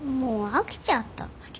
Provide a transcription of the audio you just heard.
飽きちゃった？